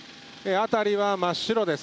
辺りは真っ白です。